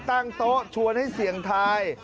ตั้งโต๊ะชวนให้เสี่ยงทาย